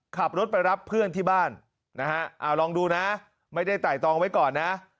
ขับรถไปรับเพื่อนที่บ้านนะฮะเอาลองดูนะไม่ได้ไต่ตองไว้ก่อนนะ